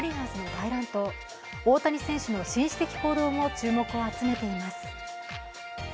大谷選手の紳士的行動も注目を集めています。